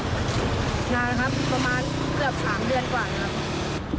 นานครับประมาณเกือบ๓เดือนกว่านะครับ